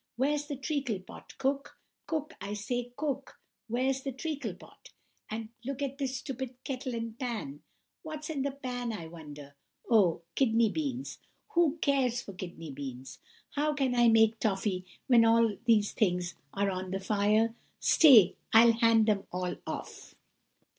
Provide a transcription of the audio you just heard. Where's the treacle pot, Cook? Cook! I say, Cook! where's the treacle pot? And look at this stupid kettle and pan. What's in the pan, I wonder? Oh, kidney beans! Who cares for kidney beans? How can I make toffey, when all these things are on the fire? Stay, I'll hand them all off!